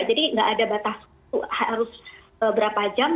jadi tidak ada batas harus berapa jam